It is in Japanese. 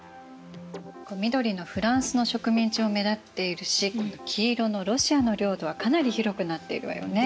緑のフランスの植民地も目立っているし黄色のロシアの領土はかなり広くなってるわよね。